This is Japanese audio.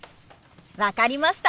分かりました。